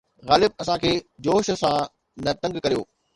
غالب! اسان کي جوش سان نه تنگ ڪريو